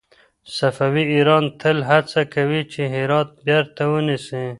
صفوي ایران تل هڅه کوله چې هرات بېرته ونيسي.